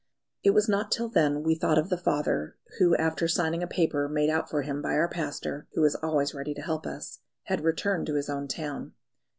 It was not till then we thought of the father, who, after signing a paper made out for him by our pastor, who is always ready to help us, had returned to his own town.